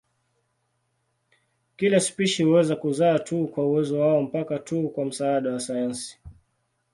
Kila spishi huweza kuzaa tu kwa uwezo wao mpaka tu kwa msaada wa sayansi.